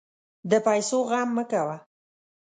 د پیسو غم مه کوه.